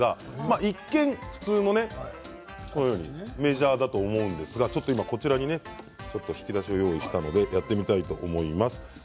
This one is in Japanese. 一見、普通のメジャーだと思うんですがこちらに引き出しを用意しましたのでやってみたいと思います。